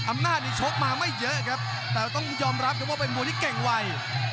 อำนาจดิฉกมาไม่เยอะครับแต่ต้องยอมรับที่จะเก่งไว